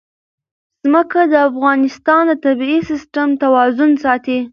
ځمکه د افغانستان د طبعي سیسټم توازن ساتي.